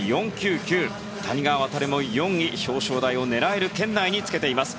谷川航も４位、表彰台を狙える圏内につけています。